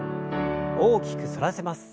大きく反らせます。